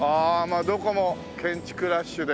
あどこも建築ラッシュで。